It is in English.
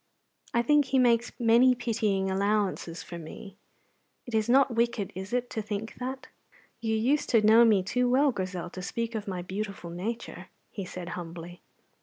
I think He makes many pitying allowances for me. It is not wicked, is it, to think that?" "You used to know me too well, Grizel, to speak of my beautiful nature," he said humbly.